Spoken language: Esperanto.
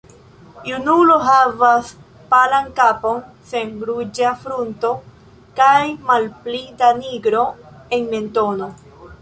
Junulo havas palan kapon sen ruĝa frunto kaj malpli da nigro en mentono.